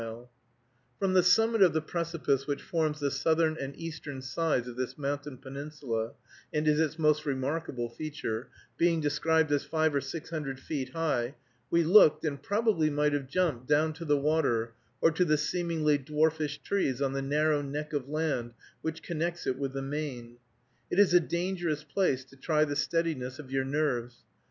[Illustration: Moosehead Lake, from Mount Kineo] From the summit of the precipice which forms the southern and eastern sides of this mountain peninsula, and is its most remarkable feature, being described as five or six hundred feet high, we looked, and probably might have jumped, down to the water, or to the seemingly dwarfish trees on the narrow neck of land which connects it with the main. It is a dangerous place to try the steadiness of your nerves.